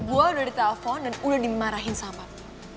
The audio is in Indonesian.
udah ditelepon dan udah dimarahin sama lo